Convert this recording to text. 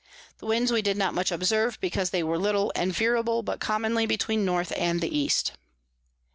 The Winds we did not much observe, because they were little and veerable; but commonly between the North and the East.